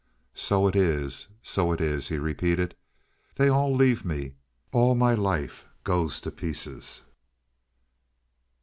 "So it is! So it is!" he repeated. "They all leave me. All my life goes to pieces."